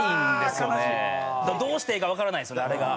だからどうしてええかわからないですよねあれが。